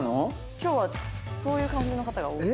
今日はそういう感じの方が多い。